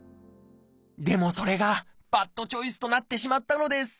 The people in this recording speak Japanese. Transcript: でもそれがバッドチョイスとなってしまったのです